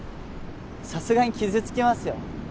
さすがに傷つきますよ